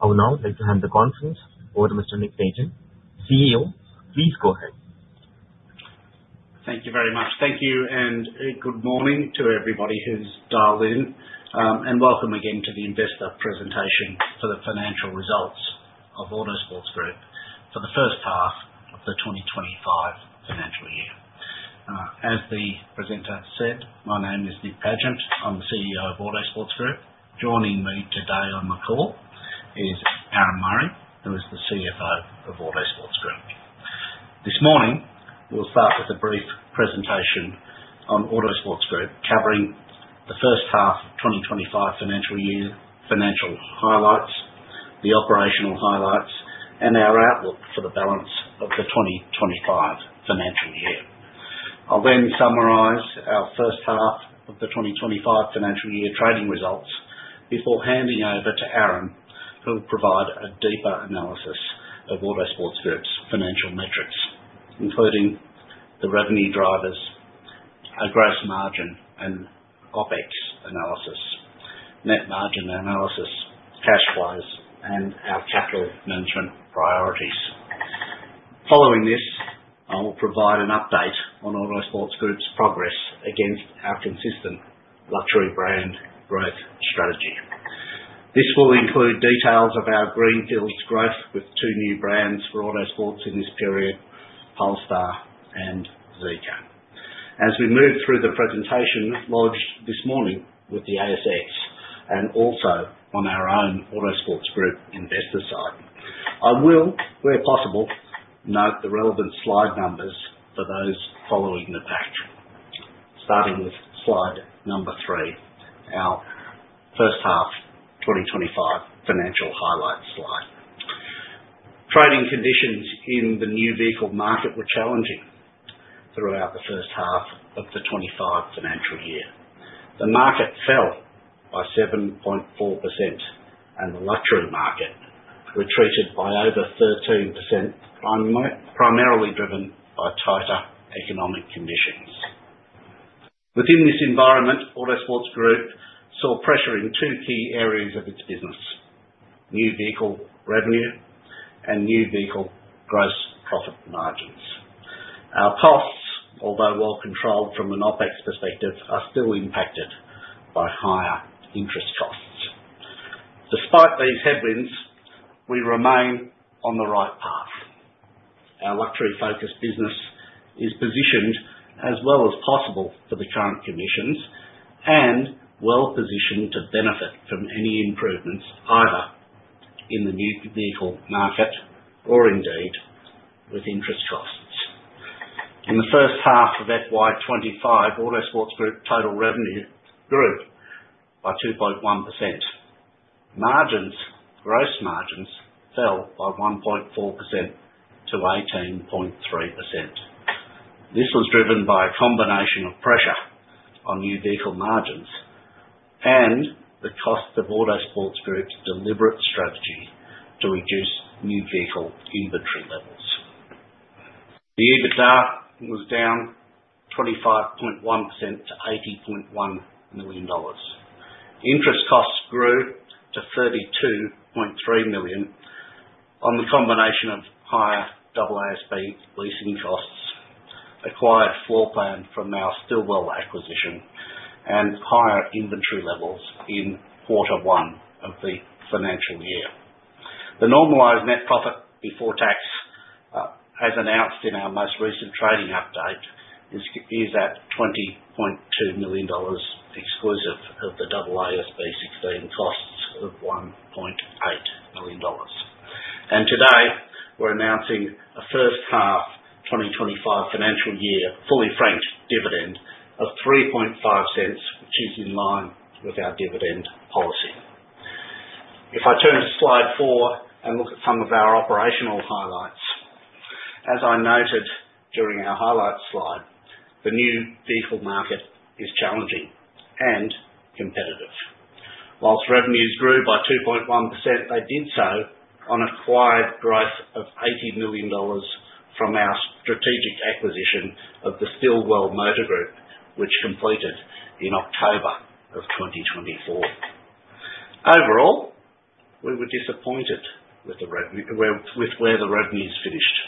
I would now like to hand the conference over to Mr. Nick Pagent, CEO. Please go ahead. Thank you very much. Thank you, and good morning to everybody who's dialed in. Welcome again to the Investor presentation for the financial results of Autosports Group for the first half of the 2025 financial year. As the presenter said, my name is Nick Pagent. I'm the CEO of Autosports Group. Joining me today on the call is Aaron Murray, who is the CFO of Autosports Group. This morning, we'll start with a brief presentation on Autosports Group, covering the first half of the 2025 financial year, financial highlights, the operational highlights, and our outlook for the balance of the 2025 financial year. I'll then summarize our first half of the 2025 financial year trading results before handing over to Aaron, who will provide a deeper analysis of Autosports Group's financial metrics, including the revenue drivers, a gross margin and OpEx analysis, net margin analysis, cash flows, and our capital management priorities. Following this, I will provide an update on Autosports Group's progress against our consistent luxury brand growth strategy. This will include details of our greenfields growth with two new brands for Autosports in this period, Polestar and Zeekr. As we move through the presentation lodged this morning with the ASX and also on our own Autosports Group investor site, I will, where possible, note the relevant slide numbers for those following along, starting with slide number three, our first half 2025 financial highlights slide. Trading conditions in the new vehicle market were challenging throughout the first half of the 2025 financial year. The market fell by 7.4%, and the luxury market retreated by over 13%, primarily driven by tighter economic conditions. Within this environment, Autosports Group saw pressure in two key areas of its business: new vehicle revenue and new vehicle gross profit margins. Our costs, although well controlled from an OpEx perspective, are still impacted by higher interest costs. Despite these headwinds, we remain on the right path. Our luxury-focused business is positioned as well as possible for the current conditions and well positioned to benefit from any improvements either in the new vehicle market or indeed with interest costs. In the first half of FY 2025, Autosports Group total revenue grew by 2.1%. Margins, gross margins, fell by 1.4% to 18.3%. This was driven by a combination of pressure on new vehicle margins and the cost of Autosports Group's deliberate strategy to reduce new vehicle inventory levels. The EBITDA was down 25.1% to 80.1 million dollars. Interest costs grew to 32.3 million on the combination of higher AASB leasing costs, acquired floor plan from our Stillwell acquisition, and higher inventory levels in quarter one of the financial year. The normalized net profit before tax, as announced in our most recent trading update, is at 20.2 million dollars exclusive of the AASB 16 costs of 1.8 million dollars. Today, we're announcing a first half 2025 financial year fully franked dividend of 0.035, which is in line with our dividend policy. If I turn to slide four and look at some of our operational highlights, as I noted during our highlights slide, the new vehicle market is challenging and competitive. While revenues grew by 2.1%, they did so on acquired growth of 80 million dollars from our strategic acquisition of the Stillwell Motor Group, which completed in October of 2024. Overall, we were disappointed with where the revenues finished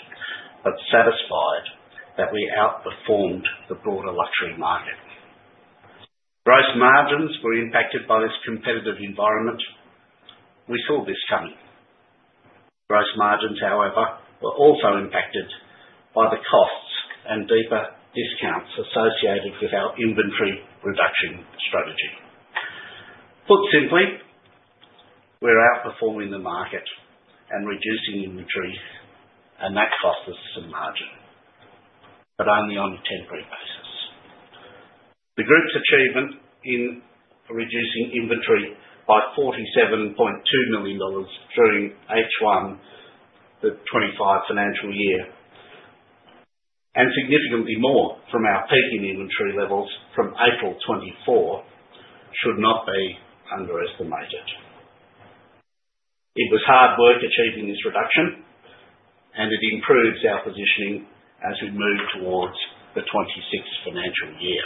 but satisfied that we outperformed the broader luxury market. Gross margins were impacted by this competitive environment. We saw this coming. Gross margins, however, were also impacted by the costs and deeper discounts associated with our inventory reduction strategy. Put simply, we're outperforming the market and reducing inventory, and that cost us some margin, but only on a temporary basis. The group's achievement in reducing inventory by 47.2 million dollars during H1, the 2025 financial year, and significantly more from our peaking inventory levels from April 2024 should not be underestimated. It was hard work achieving this reduction, and it improves our positioning as we move towards the 2026 financial year.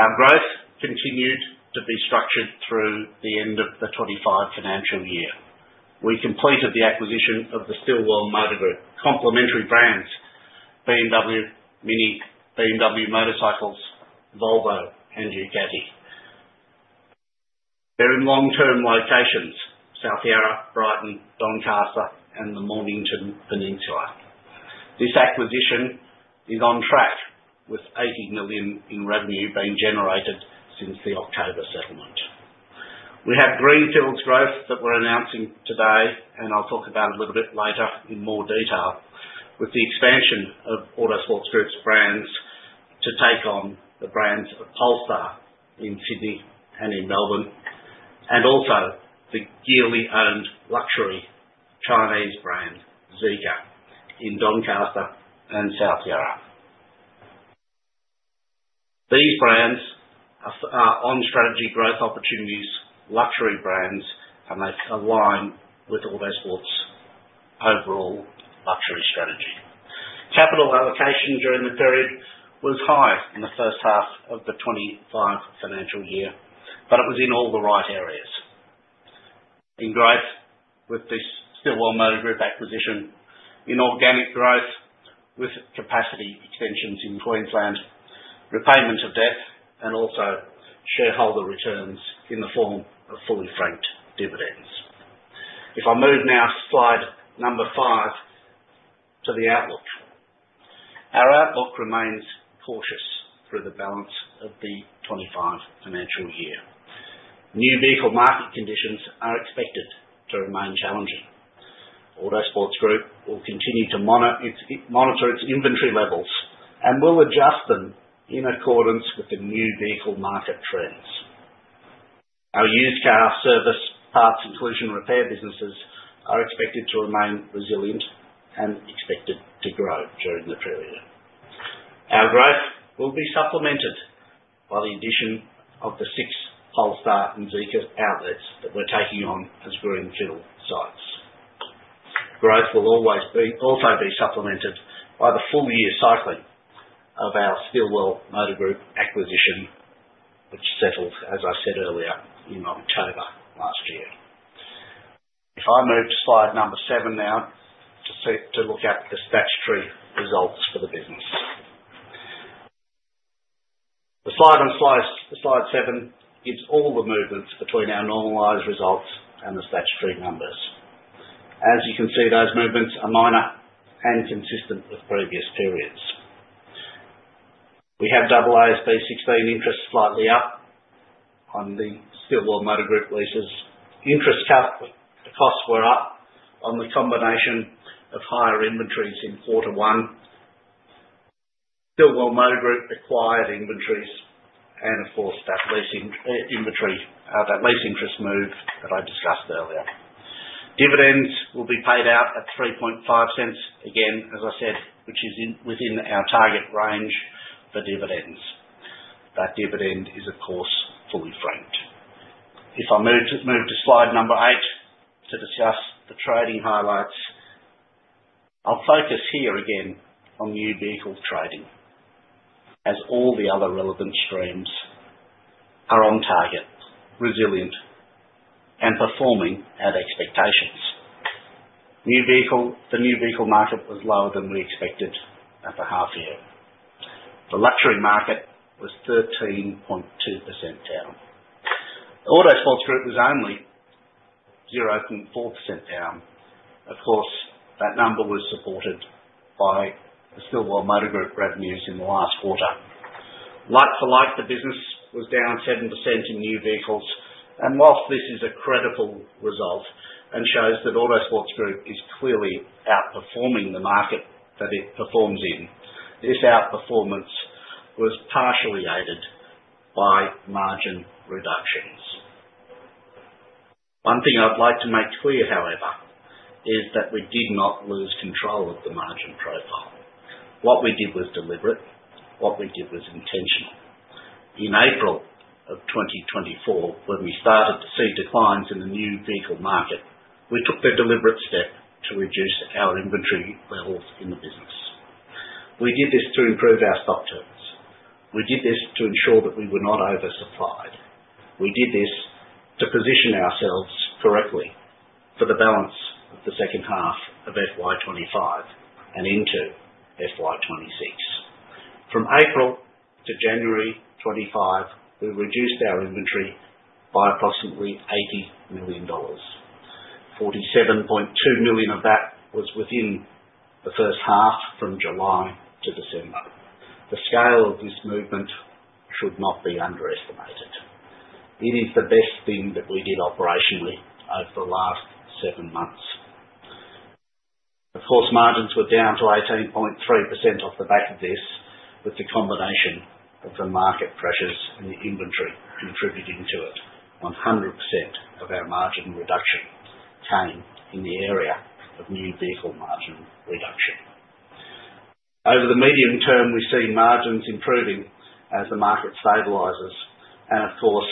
Our growth continued to be structured through the end of the 2025 financial year. We completed the acquisition of the Stillwell Motor Group complementary brands: BMW MINI, BMW Motorcycles, Volvo, and Ducati. They're in long-term locations: South Yarra, Brighton, Doncaster, and the Mornington Peninsula. This acquisition is on track with 80 million in revenue being generated since the October settlement. We have greenfields growth that we're announcing today, and I'll talk about a little bit later in more detail with the expansion of Autosports Group's brands to take on the brands of Polestar in Sydney and in Melbourne, and also the Geely-owned luxury Chinese brand Zeekr in Doncaster and South Yarra. These brands are on strategy growth opportunities, luxury brands, and they align with Autosports' overall luxury strategy. Capital allocation during the period was high in the first half of the 2025 financial year, but it was in all the right areas. In growth with this Stillwell Motor Group acquisition, in organic growth with capacity extensions in Queensland, repayment of debt, and also shareholder returns in the form of fully franked dividends. If I move now to slide number five to the outlook, our outlook remains cautious through the balance of the 2025 financial year. New vehicle market conditions are expected to remain challenging. Autosports Group will continue to monitor its inventory levels and will adjust them in accordance with the new vehicle market trends. Our used car service, parts and collision repair businesses are expected to remain resilient and expected to grow during the period. Our growth will be supplemented by the addition of the six Polestar and Zeekr outlets that we're taking on as greenfield sites. Growth will also be supplemented by the full-year cycling of our Stillwell Motor Group acquisition, which settled, as I said earlier, in October last year. If I move to slide number seven now to look at the statutory results for the business. The slide on slide seven gives all the movements between our normalized results and the statutory numbers. As you can see, those movements are minor and consistent with previous periods. We have AASB 16 interest slightly up on the Stillwell Motor Group leases. Interest costs were up on the combination of higher inventories in quarter one, Stillwell Motor Group acquired inventories, and of course, that lease interest move that I discussed earlier. Dividends will be paid out at 0.035, again, as I said, which is within our target range for dividends. That dividend is, of course, fully franked. If I move to slide number eight to discuss the trading highlights, I'll focus here again on new vehicle trading, as all the other relevant streams are on target, resilient, and performing at expectations. The new vehicle market was lower than we expected at the half year. The luxury market was 13.2% down. Autosports Group was only 0.4% down. Of course, that number was supported by the Stillwell Motor Group revenues in the last quarter. Like for like, the business was down 7% in new vehicles and while this is a credible result and shows that Autosports Group is clearly outperforming the market that it performs in, this outperformance was partially aided by margin reductions. One thing I'd like to make clear, however, is that we did not lose control of the margin profile. What we did was deliberate. What we did was intentional. In April of 2024, when we started to see declines in the new vehicle market, we took the deliberate step to reduce our inventory levels in the business. We did this to improve our stock turns. We did this to ensure that we were not oversupplied. We did this to position ourselves correctly for the balance of the second half of FY 2025 and into FY 2026. From April to January 2025, we reduced our inventory by approximately 80 million dollars. 47.2 million of that was within the first half from July to December. The scale of this movement should not be underestimated. It is the best thing that we did operationally over the last seven months. Of course, margins were down to 18.3% off the back of this, with the combination of the market pressures and the inventory contributing to it 100% of our margin reduction came in the area of new vehicle margin reduction. Over the medium term, we've seen margins improving as the market stabilizes, and of course,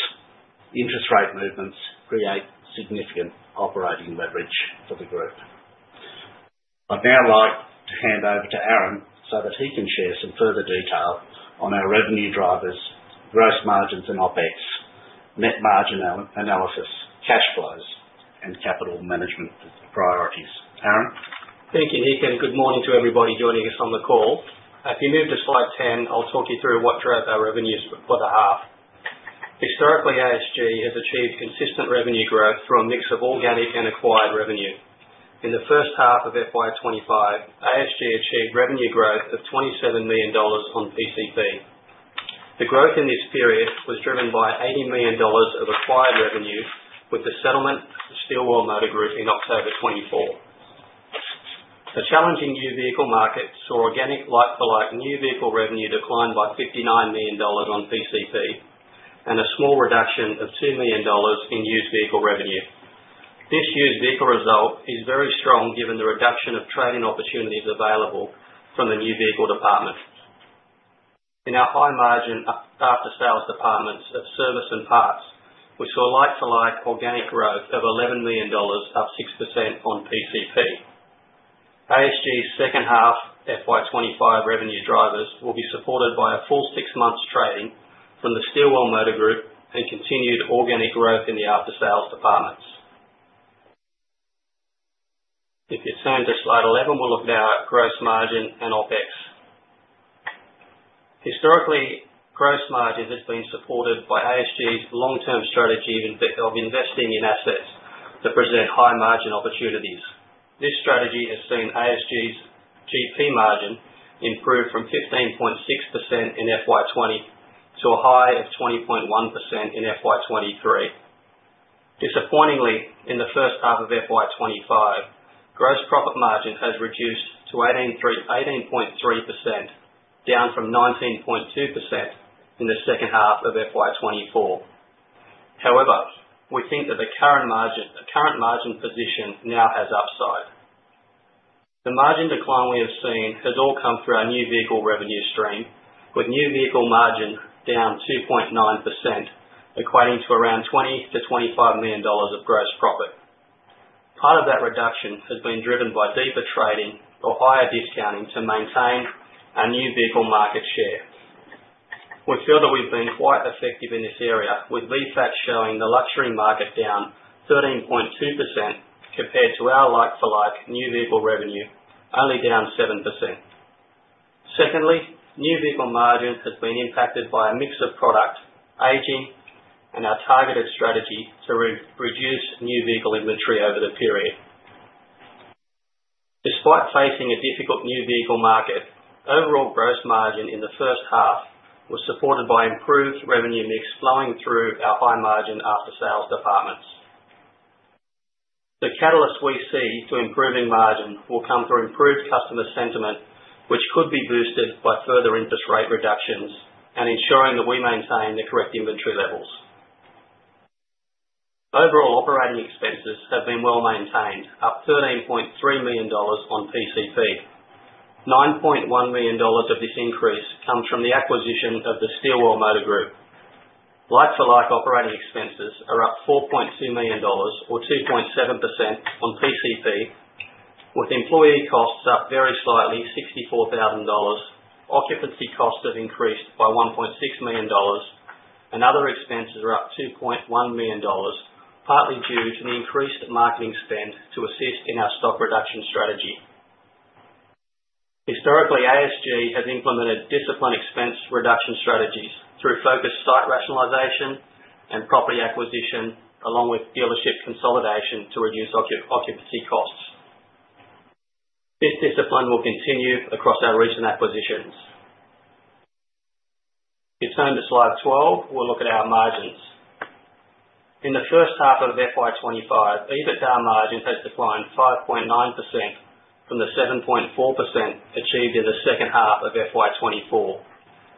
interest rate movements create significant operating leverage for the group. I'd now like to hand over to Aaron so that he can share some further detail on our revenue drivers, gross margins and OpEx, net margin analysis, cash flows, and capital management priorities. Aaron. Thank you, Nick, and good morning to everybody joining us on the call. If you move to slide 10, I'll talk you through what drove our revenues for the half. Historically, ASG has achieved consistent revenue growth through a mix of organic and acquired revenue. In the first half of FY 2025, ASG achieved revenue growth of 27 million dollars on PCP. The growth in this period was driven by 80 million dollars of acquired revenue with the settlement of the Stillwell Motor Group in October 2024. The challenging new vehicle market saw organic like-for-like new vehicle revenue decline by 59 million dollars on PCP and a small reduction of 2 million dollars in used vehicle revenue. This used vehicle result is very strong given the reduction of trading opportunities available from the new vehicle department. In our high-margin after-sales departments of service and parts, we saw like-for-like organic growth of 11 million dollars, up 6% on PCP. ASG's second half FY 2025 revenue drivers will be supported by a full six months trading from the Stillwell Motor Group and continued organic growth in the after-sales departments. If you turn to slide 11, we'll look now at gross margin and OpEx. Historically, gross margin has been supported by ASG's long-term strategy of investing in assets that present high margin opportunities. This strategy has seen ASG's GP margin improve from 15.6% in FY 2020 to a high of 20.1% in FY 2023. Disappointingly, in the first half of FY 2025, gross profit margin has reduced to 18.3%, down from 19.2% in the second half of FY 2024. However, we think that the current margin position now has upside. The margin decline we have seen has all come through our new vehicle revenue stream, with new vehicle margin down 2.9%, equating to around AUD 20-AUD 25 million of gross profit. Part of that reduction has been driven by deeper trading or higher discounting to maintain our new vehicle market share. We feel that we've been quite effective in this area, with VFACTS showing the luxury market down 13.2% compared to our like-for-like new vehicle revenue, only down 7%. Secondly, new vehicle margin has been impacted by a mix of product, aging, and our targeted strategy to reduce new vehicle inventory over the period. Despite facing a difficult new vehicle market, overall gross margin in the first half was supported by improved revenue mix flowing through our high-margin after-sales departments. The catalyst we see to improving margin will come through improved customer sentiment, which could be boosted by further interest rate reductions and ensuring that we maintain the correct inventory levels. Overall operating expenses have been well maintained, up 13.3 million dollars on PCP. 9.1 million dollars of this increase comes from the acquisition of the Stillwell Motor Group. Like-for-like operating expenses are up 4.2 million dollars or 2.7% on PCP, with employee costs up very slightly, 64,000 dollars. Occupancy costs have increased by 1.6 million dollars, and other expenses are up 2.1 million dollars, partly due to the increased marketing spend to assist in our stock reduction strategy. Historically, ASG has implemented disciplined expense reduction strategies through focused site rationalization and property acquisition, along with dealership consolidation to reduce occupancy costs. This discipline will continue across our recent acquisitions. If you turn to slide 12, we'll look at our margins. In the first half of FY 2025, EBITDA margin has declined 5.9% from the 7.4% achieved in the second half of FY 2024,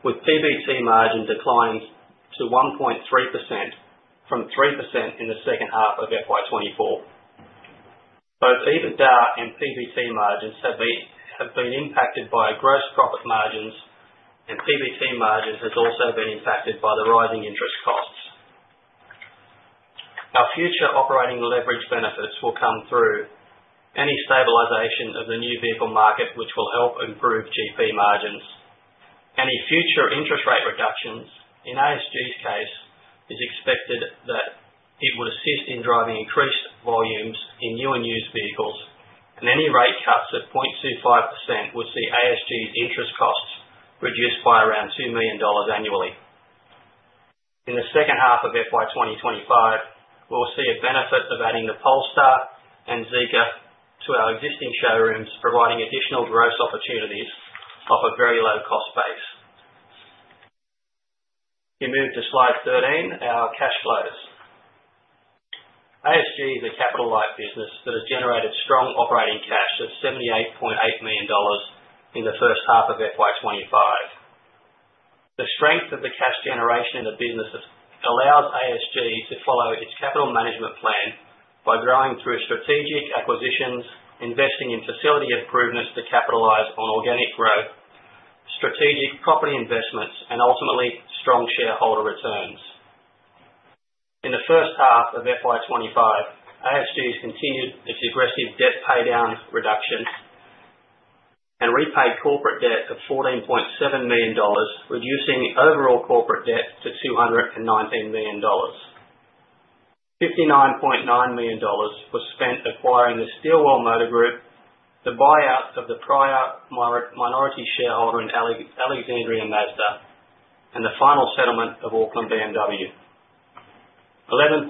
with PBT margin declining to 1.3% from 3% in the second half of FY 2024. Both EBITDA and PBT margins have been impacted by gross profit margins, and PBT margins have also been impacted by the rising interest costs. Our future operating leverage benefits will come through any stabilization of the new vehicle market, which will help improve GP margins. Any future interest rate reductions in ASG's case is expected that it would assist in driving increased volumes in new and used vehicles, and any rate cuts of 0.25% would see ASG's interest costs reduced by around $2 million annually. In the second half of FY 2025, we'll see a benefit of adding the Polestar and Zeekr to our existing showrooms, providing additional gross opportunities off a very low cost base. If you move to slide 13, our cash flows. ASG is a capital-like business that has generated strong operating cash of $78.8 million in the first half of FY 2025. The strength of the cash generation in the business allows ASG to follow its capital management plan by growing through strategic acquisitions, investing in facility improvements to capitalize on organic growth, strategic property investments, and ultimately strong shareholder returns. In the first half of FY 2025, ASG has continued its aggressive debt paydown reductions and repaid corporate debt of 14.7 million dollars, reducing overall corporate debt to 219 million dollars. 59.9 million dollars was spent acquiring the Stillwell Motor Group, the buyout of the prior minority shareholder in Alexandria Mazda, and the final settlement of Auckland BMW. 11.9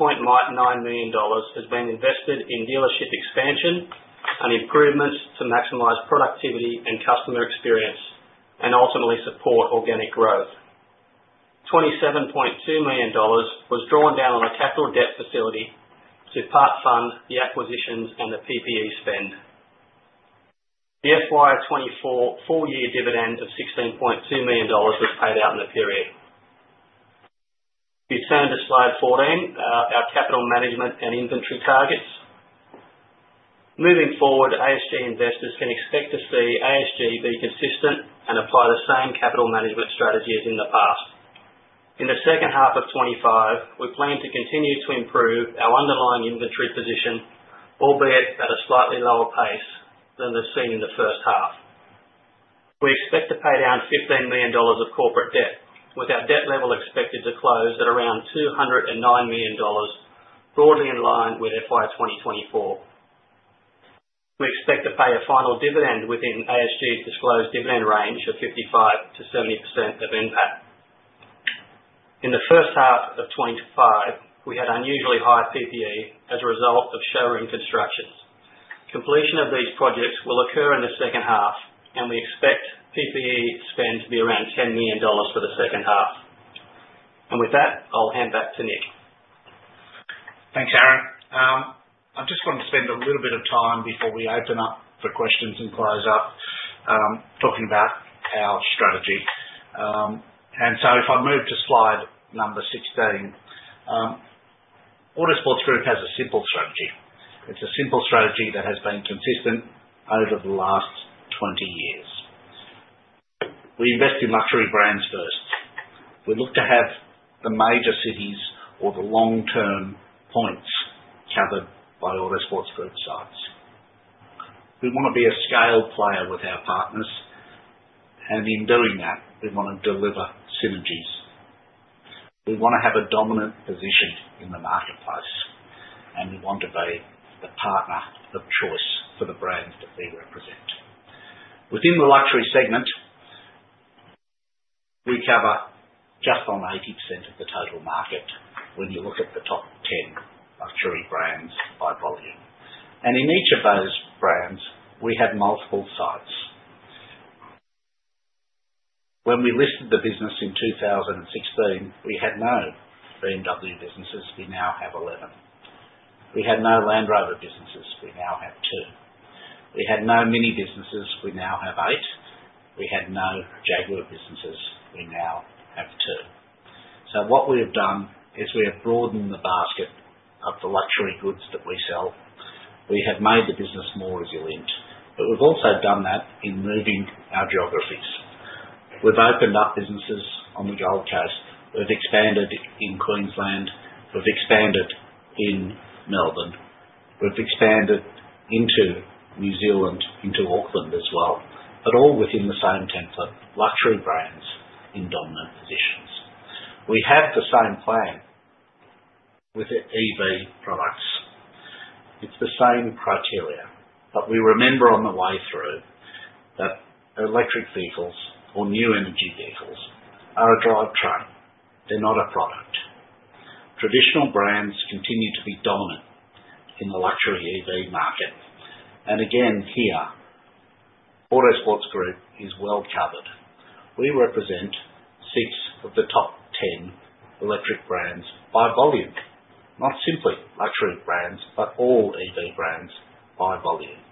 million dollars has been invested in dealership expansion and improvements to maximize productivity and customer experience and ultimately support organic growth. 27.2 million dollars was drawn down on a capital debt facility to part-fund the acquisitions and the PPE spend. The FY 2024 full-year dividend of AUD 16.2 million was paid out in the period. If you turn to slide 14, our capital management and inventory targets. Moving forward, ASG investors can expect to see ASG be consistent and apply the same capital management strategy as in the past. In the second half of 2025, we plan to continue to improve our underlying inventory position, albeit at a slightly lower pace than seen in the first half. We expect to pay down 15 million dollars of corporate debt, with our debt level expected to close at around 209 million dollars, broadly in line with FY 2024. We expect to pay a final dividend within ASG's disclosed dividend range of 55%-70% of NPAT. In the first half of 2025, we had unusually high PPE as a result of showroom constructions. Completion of these projects will occur in the second half, and we expect PPE spend to be around 10 million dollars for the second half. With that, I'll hand back to Nick. Thanks, Aaron. I just want to spend a little bit of time before we open up for questions and close up, talking about our strategy. So if I move to slide number 16, Autosports Group has a simple strategy. It's a simple strategy that has been consistent over the last 20 years. We invest in luxury brands first. We look to have the major cities or the long-term points covered by Autosports Group sites. We want to be a scaled player with our partners, and in doing that, we want to deliver synergies. We want to have a dominant position in the marketplace, and we want to be the partner of choice for the brands that we represent. Within the luxury segment, we cover just on 80% of the total market when you look at the top 10 luxury brands by volume, and in each of those brands, we have multiple sites. When we listed the business in 2016, we had no BMW businesses, we now have 11. We had no Land Rover businesses, we now have 2. We had no MINI businesses, we now have 8. We had no Jaguar businesses, we now have 2. So what we have done is we have broadened the basket of the luxury goods that we sell. We have made the business more resilient, but we've also done that in moving our geographies. We've opened up businesses on the Gold Coast. We've expanded in Queensland. We've expanded in Melbourne. We've expanded into New Zealand, into Auckland as well, but all within the same template, luxury brands in dominant positions. We have the same plan with EV products. It's the same criteria, but we remember on the way through that electric vehicles or new energy vehicles are a drive train. They're not a product. Traditional brands continue to be dominant in the luxury EV market. And again, here, Autosports Group is well covered. We represent six of the top 10 electric brands by volume, not simply luxury brands, but all EV brands by volume.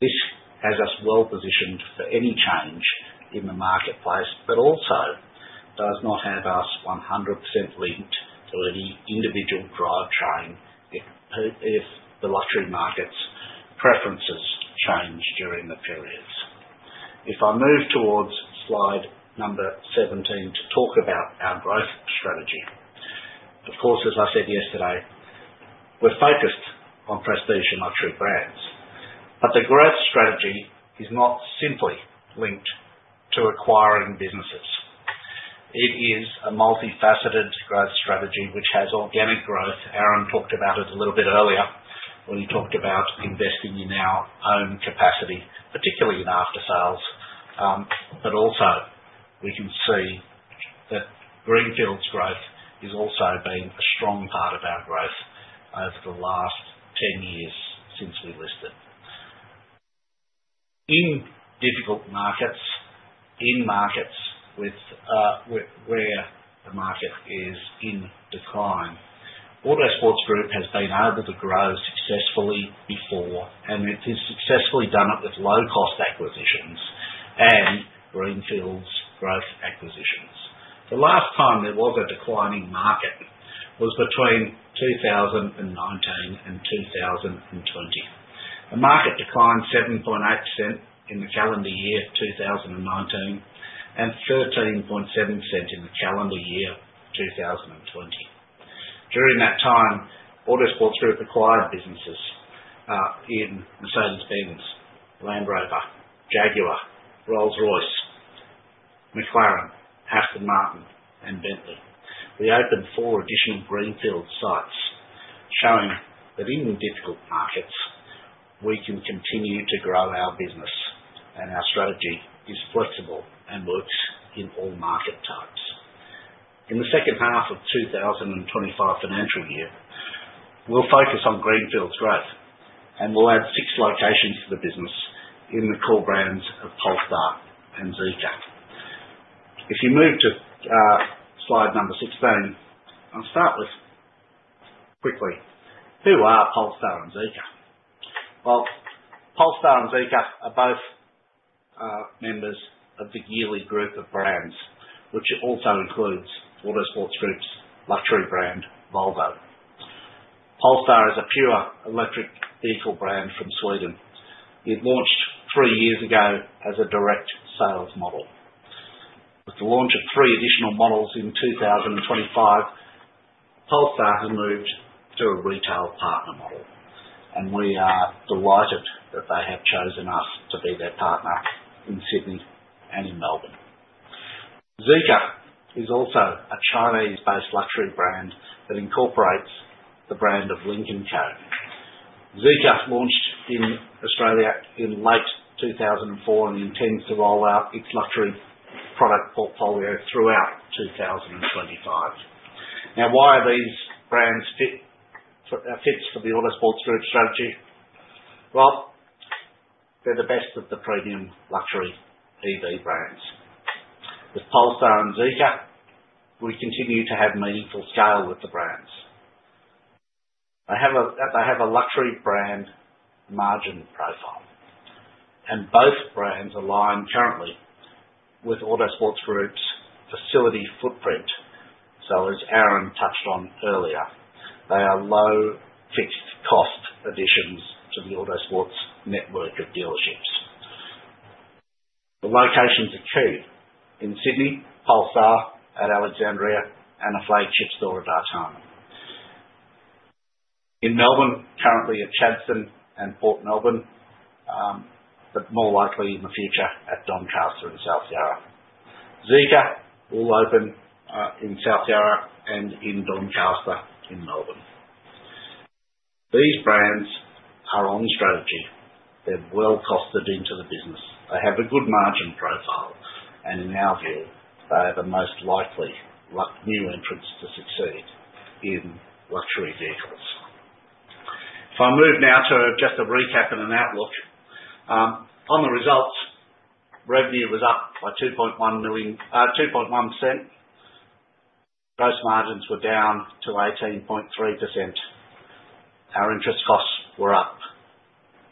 This has us well positioned for any change in the marketplace, but also does not have us 100% linked to any individual drive train if the luxury market's preferences change during the periods. If I move towards slide number 17 to talk about our growth strategy, of course, as I said yesterday, we're focused on prestige and luxury brands, but the growth strategy is not simply linked to acquiring businesses. It is a multifaceted growth strategy which has organic growth. Aaron talked about it a little bit earlier when he talked about investing in our own capacity, particularly in after-sales, but also we can see that greenfields growth is also being a strong part of our growth over the last 10 years since we listed. In difficult markets, in markets where the market is in decline, Autosports Group has been able to grow successfully before, and it has successfully done it with low-cost acquisitions and greenfields growth acquisitions. The last time there was a declining market was between 2019 and 2020. The market declined 7.8% in the calendar year 2019 and 13.7% in the calendar year 2020. During that time, Autosports Group acquired businesses in Mercedes-Benz, Land Rover, Jaguar, Rolls-Royce, McLaren, Aston Martin, and Bentley. We opened four additional greenfields sites, showing that in difficult markets, we can continue to grow our business, and our strategy is flexible and works in all market types. In the second half of 2025 financial year, we'll focus on greenfields growth, and we'll add six locations to the business in the core brands of Polestar and Zeekr. If you move to slide number 16, I'll start with quickly, who are Polestar and Zeekr? Well, Polestar and Zeekr are both members of the Geely Group of brands, which also includes Autosports Group's luxury brand, Volvo. Polestar is a pure electric vehicle brand from Sweden. It launched three years ago as a direct sales model. With the launch of three additional models in 2025, Polestar has moved to a retail partner model, and we are delighted that they have chosen us to be their partner in Sydney and in Melbourne. Zeekr is also a Chinese-based luxury brand that incorporates the brand of Lynk & Co. Zeekr launched in Australia in late 2024 and intends to roll out its luxury product portfolio throughout 2025. Now, why are these brands fits for the Autosports Group strategy? Well, they're the best of the premium luxury EV brands. With Polestar and Zeekr, we continue to have meaningful scale with the brands. They have a luxury brand margin profile, and both brands align currently with Autosports Group's facility footprint, so as Aaron touched on earlier. They are low-fixed cost additions to the Autosports network of dealerships. The locations are key in Sydney, Polestar at Alexandria, and a flagship store at Artarmon. In Melbourne, currently at Chadstone and Port Melbourne, but more likely in the future at Doncaster in South Yarra. Zeekr will open in South Yarra and in Doncaster in Melbourne. These brands are on strategy. They're well costed into the business. They have a good margin profile, and in our view, they are the most likely new entrants to succeed in luxury vehicles. If I move now to just a recap and an outlook. On the results, revenue was up by 2.1%. Gross margins were down to 18.3%. Our interest costs were up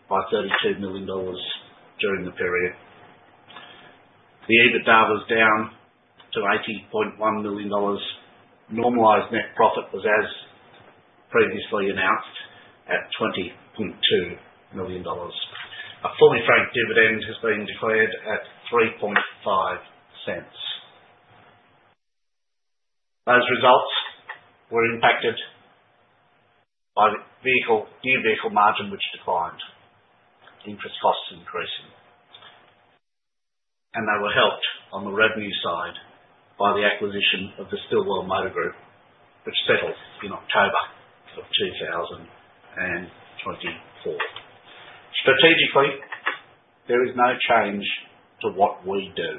by $32 million during the period. The EBITDA was down to $80.1 million. Normalized net profit was, as previously announced, at $20.2 million. A fully franked dividend has been declared at $0.035. Those results were impacted by new vehicle margin, which declined, interest costs increasing, and they were helped on the revenue side by the acquisition of the Stillwell Motor Group, which settled in October of 2024. Strategically, there is no change to what we do.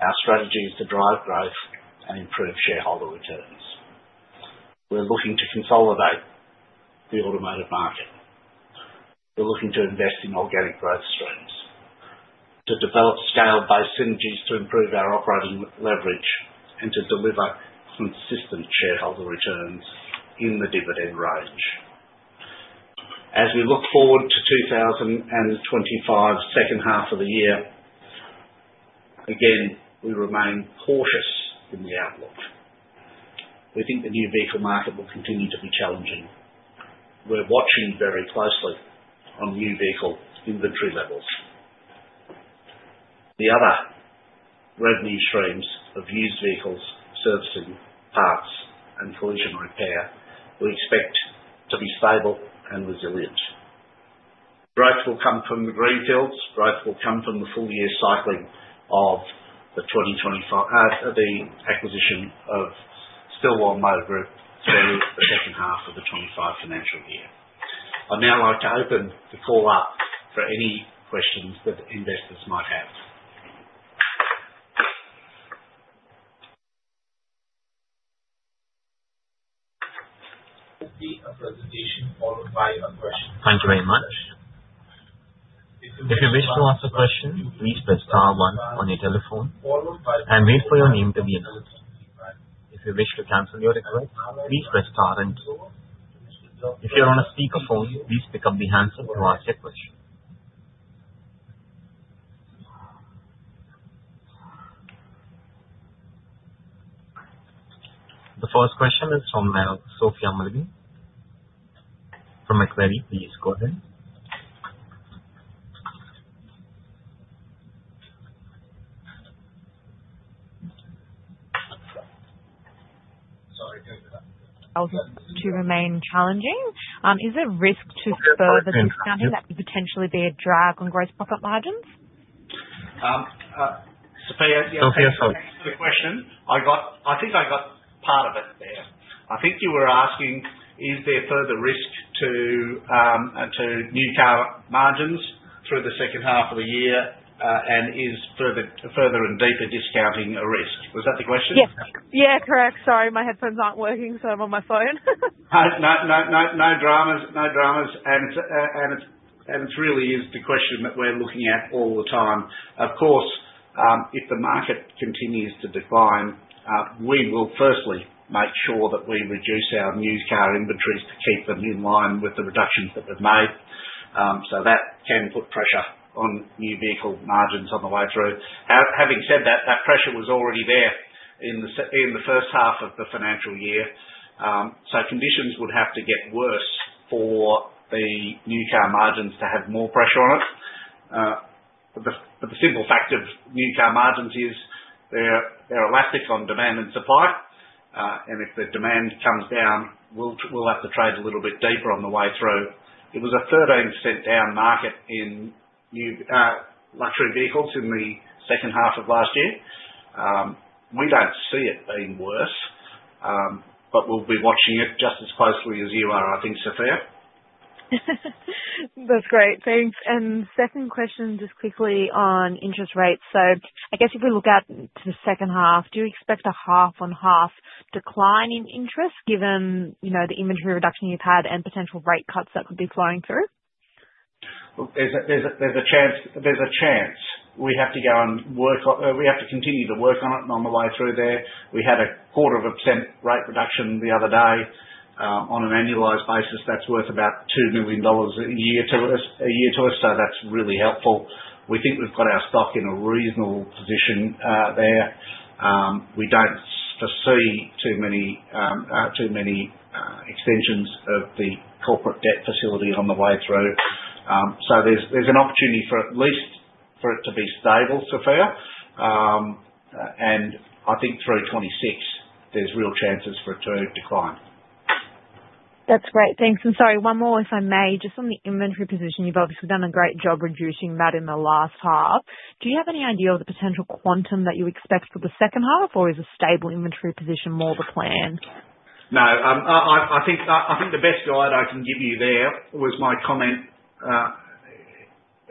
Our strategy is to drive growth and improve shareholder returns. We're looking to consolidate the automotive market. We're looking to invest in organic growth streams, to develop scale-based synergies to improve our operating leverage, and to deliver consistent shareholder returns in the dividend range. As we look forward to 2025, second half of the year, again, we remain cautious in the outlook. We think the new vehicle market will continue to be challenging. We're watching very closely on new vehicle inventory levels. The other revenue streams of used vehicles, servicing, parts, and collision repair we expect to be stable and resilient. Growth will come from the greenfields. Growth will come from the full-year cycling of the acquisition of Stillwell Motor Group through the second half of the 2025 financial year. I'd now like to open the call up for any questions that investors might have. Thank you very much. If you wish to ask a question, please press star one on your telephone and wait for your name to be announced. If you wish to cancel your request, please press star and if you're on a speakerphone, please pick up the handset to ask your question. The first question is from Sophia Mulley from Macquarie, please go ahead. 2022 remain challenging. Is there risk to further discounting that could potentially be a drag on gross profit margins? Sophia, sorry. I think I got part of it there. I think you were asking, is there further risk to new car margins through the second half of the year, and is further and deeper discounting a risk? Was that the question? Yes. Yeah, correct. Sorry, my headphones aren't working, so I'm on my phone. No dramas. It really is the question that we're looking at all the time. Of course, if the market continues to decline, we will firstly make sure that we reduce our new car inventories to keep them in line with the reductions that we've made. So that can put pressure on new vehicle margins on the way through. Having said that, that pressure was already there in the first half of the financial year. So conditions would have to get worse for the new car margins to have more pressure on it. But the simple fact of new car margins is they're elastic on demand and supply. And if the demand comes down, we'll have to trade a little bit deeper on the way through. It was a 13% down market in luxury vehicles in the second half of last year. We don't see it being worse, but we'll be watching it just as closely as you are, I think, Sophia. That's great. Thanks. And second question, just quickly on interest rates. So I guess if we look at the second half, do you expect a half-on-half decline in interest given the inventory reduction you've had and potential rate cuts that could be flowing through? There's a chance. We have to go and work on it. We have to continue to work on it on the way through there. We had a 0.25% rate reduction the other day on an annualized basis. That's worth about 2 million dollars a year to us. So that's really helpful. We think we've got our stock in a reasonable position there. We don't foresee too many extensions of the corporate debt facility on the way through. So there's an opportunity for at least for it to be stable, Sophia. And I think through 2026, there's real chances for it to decline. That's great. Thanks. And sorry, one more if I may. Just on the inventory position, you've obviously done a great job reducing that in the last half. Do you have any idea of the potential quantum that you expect for the second half, or is a stable inventory position more the plan? No. I think the best guide I can give you there was my comment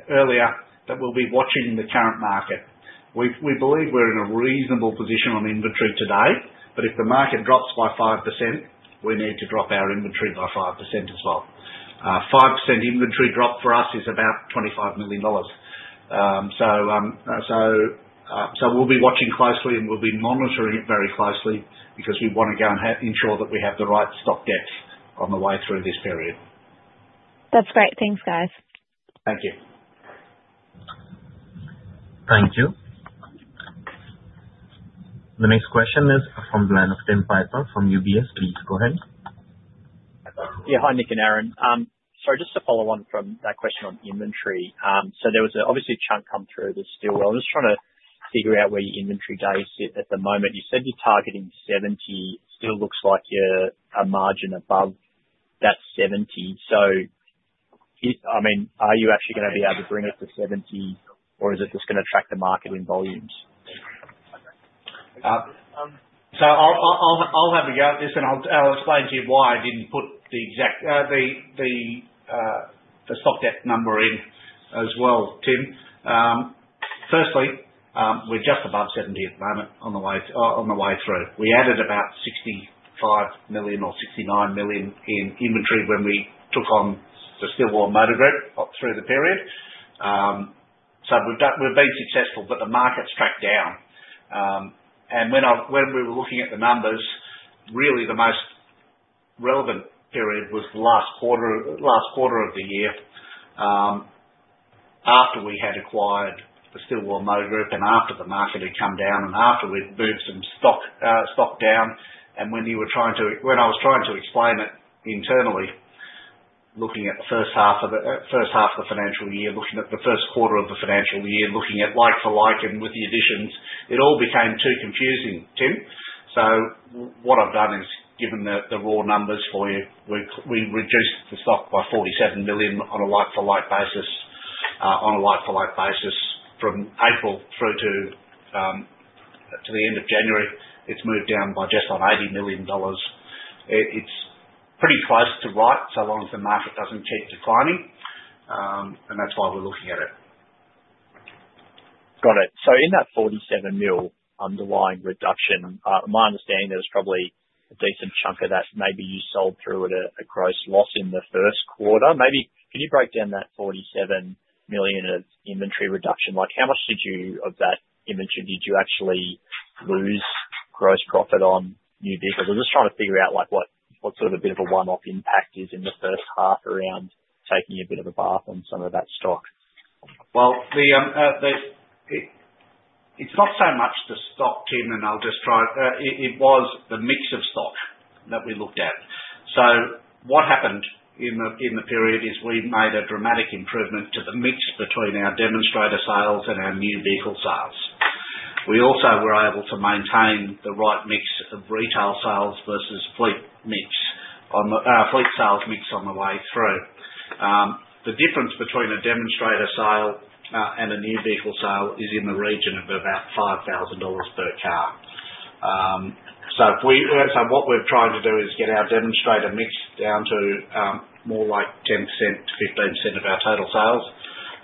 earlier that we'll be watching the current market. We believe we're in a reasonable position on inventory today, but if the market drops by 5%, we need to drop our inventory by 5% as well. 5% inventory drop for us is about 25 million dollars. So we'll be watching closely, and we'll be monitoring it very closely because we want to go and ensure that we have the right stock depth on the way through this period. That's great. Thanks, guys. Thank you. Thank you. The next question is from Tim Piper from UBS. Please go ahead. Yeah. Hi, Nick and Aaron. Sorry, just to follow on from that question on inventory. So there was obviously a chunk come through the Stillwell. I'm just trying to figure out where your inventory days sit at the moment. You said you're targeting 70. It still looks like you're a margin above that 70. So I mean, are you actually going to be able to bring it to 70, or is it just going to track the market in volumes? So I'll have a go at this, and I'll explain to you why I didn't put the exact stock depth number in as well, Tim. Firstly, we're just above 70 at the moment on the way through. We added about 65 million or 69 million in inventory when we took on the Stillwell Motor Group through the period. So we've been successful, but the market's tracked down. And when we were looking at the numbers, really the most relevant period was the last quarter of the year after we had acquired the Stillwell Motor Group and after the market had come down and after we'd moved some stock down. When I was trying to explain it internally, looking at the first half of the financial year, looking at the first quarter of the financial year, looking at like-for-like and with the additions, it all became too confusing, Tim. So what I've done is given the raw numbers for you. We reduced the stock by 47 million on a like-for-like basis. On a like-for-like basis from April through to the end of January, it's moved down by just about $80 million. It's pretty close to right so long as the market doesn't keep declining, and that's why we're looking at it. Got it. So in that 47 mil underlying reduction, my understanding there was probably a decent chunk of that maybe you sold through at a gross loss in the first quarter. Maybe can you break down that 47 million of inventory reduction? How much of that inventory did you actually lose gross profit on new vehicles? I'm just trying to figure out what sort of a bit of a one-off impact is in the first half around taking a bit of a bath on some of that stock. Well, it's not so much the stock, Tim, and I'll just try it. It was the mix of stock that we looked at. So what happened in the period is we made a dramatic improvement to the mix between our demonstrator sales and our new vehicle sales. We also were able to maintain the right mix of retail sales versus fleet sales mix on the way through. The difference between a demonstrator sale and a new vehicle sale is in the region of about 5,000 dollars per car. So what we're trying to do is get our demonstrator mix down to more like 10%-15% of our total sales,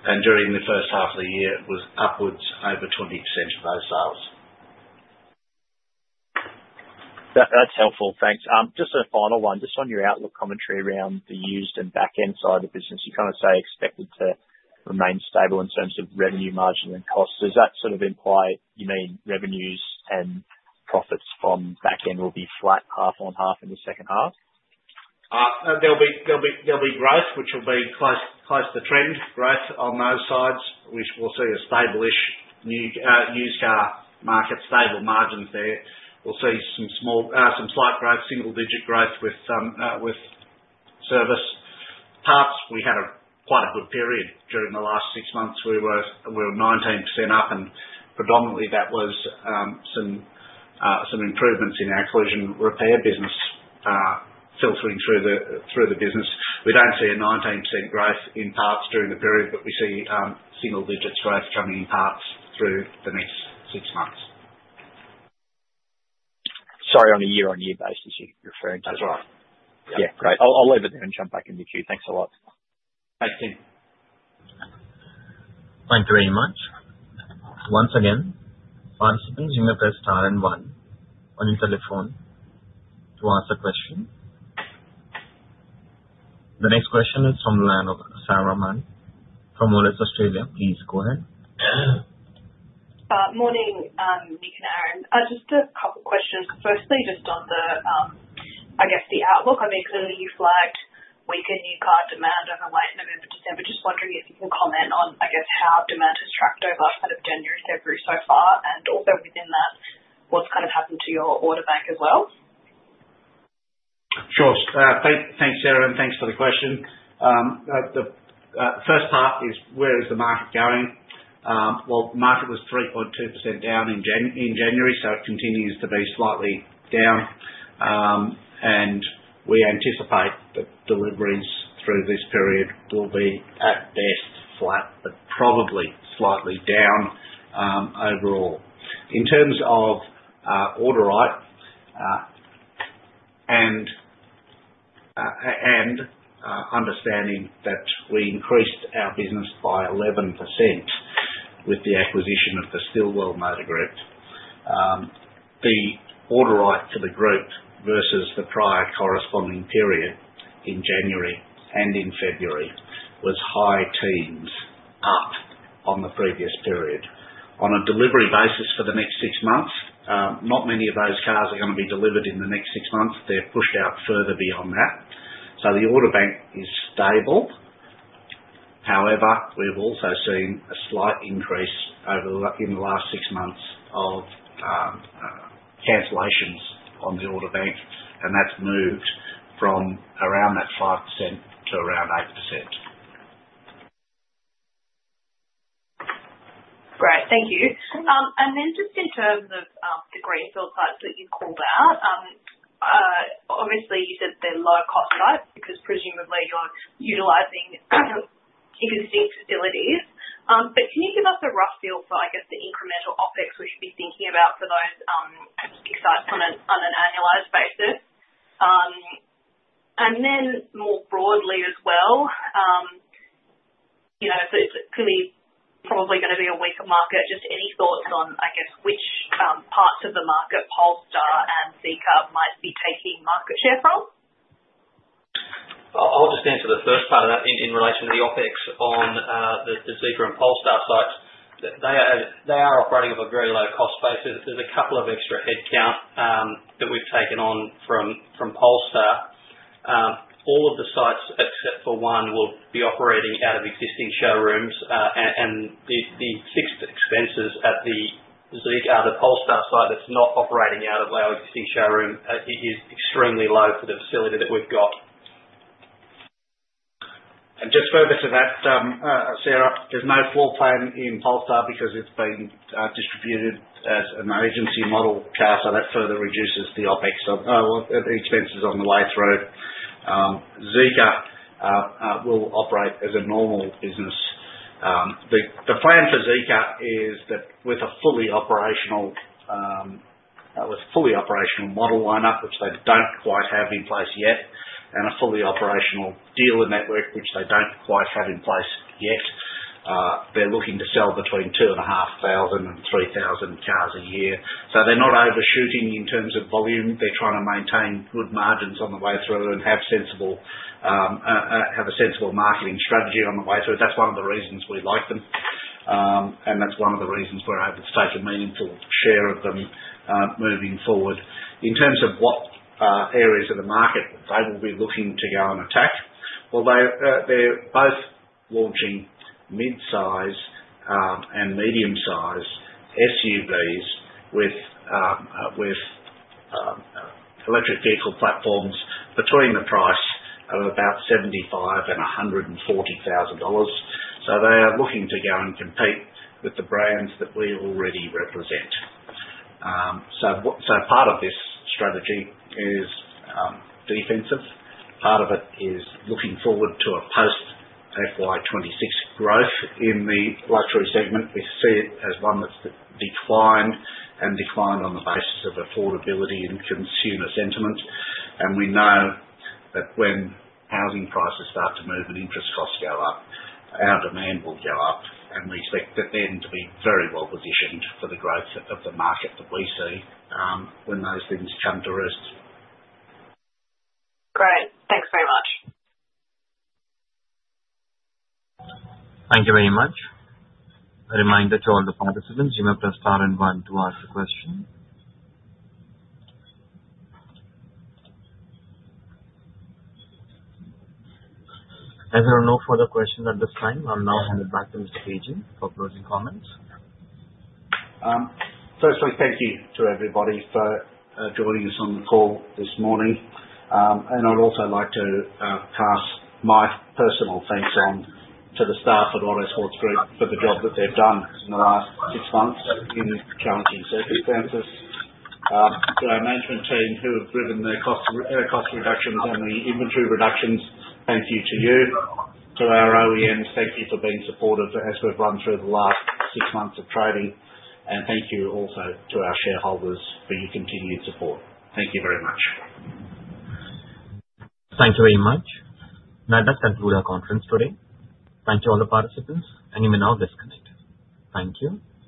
and during the first half of the year, it was upwards over 20% of those sales. That's helpful. Thanks. Just a final one. Just on your outlook commentary around the used and back-end side of business, you kind of say expected to remain stable in terms of revenue margin and costs. Does that sort of imply you mean revenues and profits from back-end will be flat, half on half in the second half? There'll be growth, which will be close to trend growth on those sides, which we'll see an established new car market, stable margins there. We'll see some slight growth, single-digit growth with service. Parts, we had quite a good period during the last six months. We were 19% up, and predominantly that was some improvements in our collision repair business filtering through the business. We don't see a 19% growth in parts during the period, but we see single-digit growth coming in parts through the next six months. Sorry, on a year-on-year basis, you're referring to. That's right. Yeah. Great. I'll leave it there and jump back in with you. Thanks a lot. Thanks, Tim. Thank you very much. Once again, five seconds, you may press star and one on your telephone to ask a question. The next question is from Sarah Mann from Moelis Australia. Please go ahead. Morning, Nick and Aaron. Just a couple of questions. Firstly, just on the, I guess, the outlook. I mean, clearly you flagged weaker new car demand on the way in November, December. Just wondering if you can comment on, I guess, how demand has tracked over kind of January, February so far, and also within that, what's kind of happened to your aftermarket as well. Sure. Thanks, Aaron. Thanks for the question. The first part is where is the market going? Well, the market was 3.2% down in January, so it continues to be slightly down, and we anticipate that deliveries through this period will be at best flat, but probably slightly down overall. In terms of aftermarket and understanding that we increased our business by 11% with the acquisition of the Stillwell Motor Group, the aftermarket for the group versus the prior corresponding period in January and in February was high teens up on the previous period. On a delivery basis for the next six months, not many of those cars are going to be delivered in the next six months. They're pushed out further beyond that. So the order bank is stable. However, we've also seen a slight increase in the last six months of cancellations on the order bank, and that's moved from around that 5% to around 8%. Great. Thank you. And then just in terms of the greenfield sites that you've called out, obviously, you said they're low-cost sites because presumably you're utilizing existing facilities. But can you give us a rough feel for, I guess, the incremental OpEx we should be thinking about for those sites on an annualized basis? And then more broadly as well, so it's clearly probably going to be a weaker market. Just any thoughts on, I guess, which parts of the market Polestar and Zeekr might be taking market share from? I'll just answer the first part of that in relation to the OpEx on the Zeekr and Polestar sites. They are operating at a very low-cost basis. There's a couple of extra headcount that we've taken on from Polestar. All of the sites, except for one, will be operating out of existing showrooms, and the fixed expenses at the Zeekr, the Polestar site that's not operating out of our existing showroom, is extremely low for the facility that we've got. And just further to that, Sarah, there's no floor plan in Polestar because it's been distributed as an agency model car, so that further reduces the OpEx expenses on the way through. Zeekr will operate as a normal business. The plan for Zeekr is that with a fully operational model lineup, which they don't quite have in place yet, and a fully operational dealer network, which they don't quite have in place yet, they're looking to sell between 2,500 and 3,000 cars a year, so they're not overshooting in terms of volume. They're trying to maintain good margins on the way through and have a sensible marketing strategy on the way through. That's one of the reasons we like them, and that's one of the reasons we're able to take a meaningful share of them moving forward. In terms of what areas of the market they will be looking to go and attack, well, they're both launching mid-size and medium-size SUVs with electric vehicle platforms between the price of about 75,000 and 140,000 dollars, so they are looking to go and compete with the brands that we already represent. So part of this strategy is defensive. Part of it is looking forward to a post-FY 2026 growth in the luxury segment. We see it as one that's declined and declined on the basis of affordability and consumer sentiment. And we know that when housing prices start to move and interest costs go up, our demand will go up, and we expect them to be very well positioned for the growth of the market that we see when those things come to rest. Great. Thanks very much. Thank you very much. A reminder to all the participants, you may press star and one to ask a question. And there are no further questions at this time. I'll now hand it back to Mr. Pagent for closing comments. Firstly, thank you to everybody for joining us on the call this morning. And I'd also like to pass my personal thanks on to the staff at Autosports Group for the job that they've done in the last six months in challenging circumstances. To our management team who have driven their cost reductions and the inventory reductions, thank you to you. To our OEMs, thank you for being supportive as we've run through the last six months of trading. And thank you also to our shareholders for your continued support. Thank you very much. Thank you very much. That concludes our conference today. Thank you, all the participants, and you may now disconnect. Thank you.